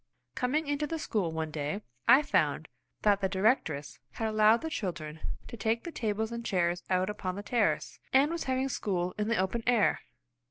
Coming into the school one day, I found that the directress had allowed the children to take the tables and chairs out upon the terrace, and was having school in the open air.